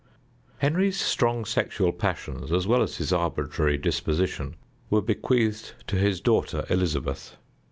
Henry's strong sexual passions, as well as his arbitrary disposition, were bequeathed to his daughter Elizabeth.